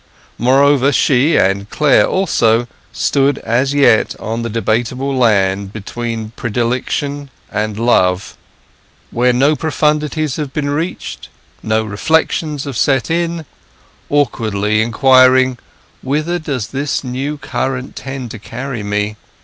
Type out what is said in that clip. Moreover she, and Clare also, stood as yet on the debatable land between predilection and love; where no profundities have been reached; no reflections have set in, awkwardly inquiring, "Whither does this new current tend to carry me?